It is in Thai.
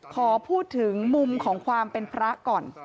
ขอพูดถึงมุมของความเป็นพระก่อน